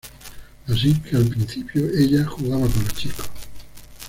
Así que al principio, ella jugaba con los chicos.